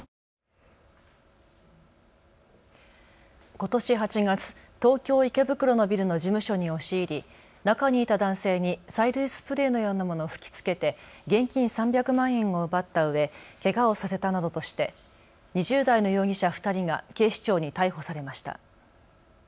ことし８月、東京池袋のビルの事務所に押し入り、中にいた男性に催涙スプレーのようなものを吹きつけて現金３００万円を奪ったうえ、けがをさせたなどとして２０代の容疑者２人が警視庁に逮捕されました。